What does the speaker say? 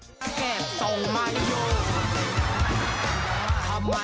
ส่วนไปส่วนไปส่วนไปส่วนไปส่วนไปส่วนไปส่วนไปส่วนไปส่วนไป